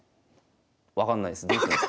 分かんないです。